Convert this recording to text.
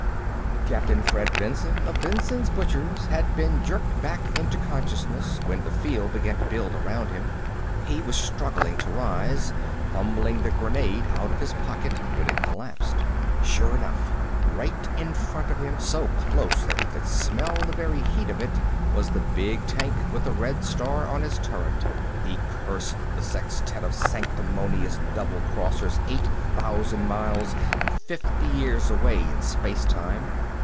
Captain Fred Benson, of Benson's Butchers, had been jerked back into consciousness when the field began to build around him. He was struggling to rise, fumbling the grenade out of his pocket, when it collapsed. Sure enough, right in front of him, so close that he could smell the very heat of it, was the big tank with the red star on its turret. He cursed the sextet of sanctimonious double crossers eight thousand miles and fifty years away in space time.